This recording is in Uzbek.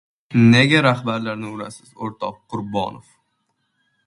— Nega rahbarlarni urasiz, o‘rtoq Qurbonov?